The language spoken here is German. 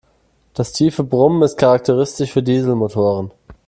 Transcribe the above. Das tiefe Brummen ist charakteristisch für Dieselmotoren.